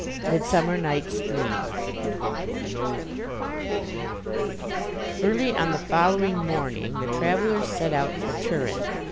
MIDSUMMER NIGHT'S DREAM Early on the following morning, the travellers set out for Turin.